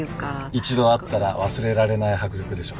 一度会ったら忘れられない迫力でしょ？